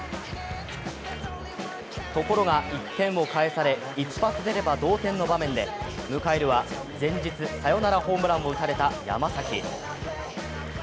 ところが１点を返され一発出れば同点の場面で迎えるは前日、サヨナラホームランを打たれた山崎。